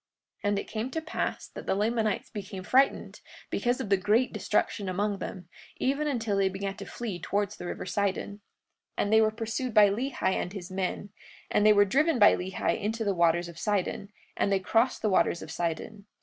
43:39 And it came to pass that the Lamanites became frightened, because of the great destruction among them, even until they began to flee towards the river Sidon. 43:40 And they were pursued by Lehi and his men; and they were driven by Lehi into the waters of Sidon, and they crossed the waters of Sidon.